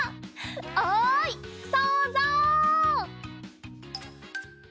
おいそうぞう！